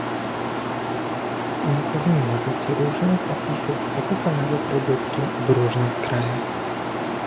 Nie powinno być różnych opisów tego samego produktu w różnych krajach